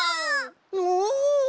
おお！